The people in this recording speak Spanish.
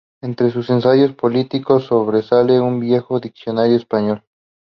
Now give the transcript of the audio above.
Entre sus ensayos políticos sobresale "Un viejo diccionario español.